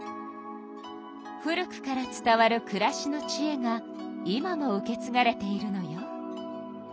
古くから伝わるくらしのちえが今も受けつがれているのよ。